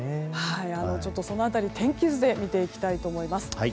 その辺り、天気図で見ていきたいと思います。